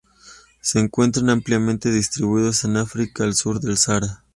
Se encuentran ampliamente distribuidos en África al sur del Sahara.